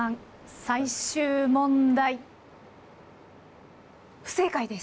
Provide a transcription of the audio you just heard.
最終問題不正解です。